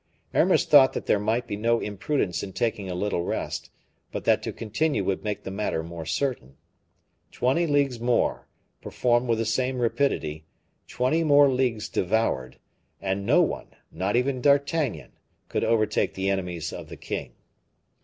Aramis thought that there might be no imprudence in taking a little rest, but that to continue would make the matter more certain. Twenty leagues more, performed with the same rapidity, twenty more leagues devoured, and no one, not even D'Artagnan, could overtake the enemies of the king.